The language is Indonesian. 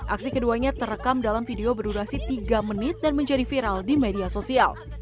aksi keduanya terekam dalam video berdurasi tiga menit dan menjadi viral di media sosial